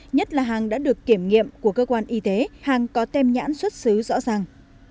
nhất là hàng đã được kiểm nghiệm của cơ quan y tế hàng có tem nhãn xuất xứ rõ ràng